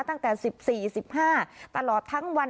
ตั้งแต่๑๔๑๕ตลอดทั้งวัน